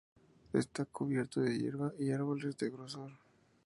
Está cubierto de hierba y árboles de grosor.